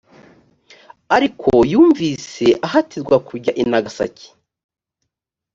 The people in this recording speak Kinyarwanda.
ariko yumvise ahatirwa kujya i nagasaki